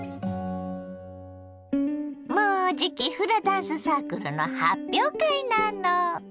もうじきフラダンスサークルの発表会なの。